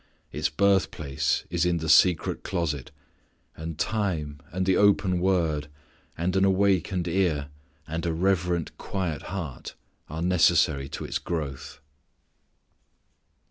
Its birthplace is in the secret closet; and time and the open Word, and an awakened ear and a reverent quiet heart are necessary to its growth.